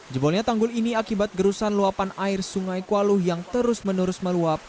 jebolnya tanggul ini akibat gerusan luapan air sungai kualuh yang terus menerus meluap